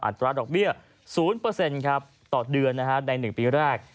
ตราดอกเบี้ย๐ต่อเดือนใน๑ปีแรก